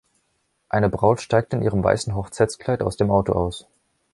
Eine Braut steigt in ihrem weißen Hochzeitskleid aus dem Auto aus.